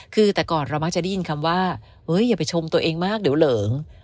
คือแต่ก่อนเรามักจะได้ยินคำว่าอย่าไปชมตัวเองมากเดี๋ยวเหลิง